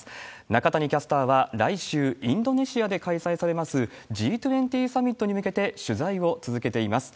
中谷キャスターは来週、インドネシアで開催されますＧ２０サミットに向けて取材を続けています。